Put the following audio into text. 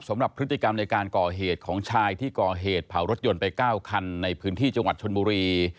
สำหรับพฤติกรรมในการก่อเหตุของชายที่ก่อเหตุเผารถยนต์ไป๙คันในพื้นที่จังหวัดชนบุรี